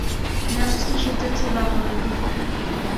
میں اس کی شدت سے باخبر ہوں۔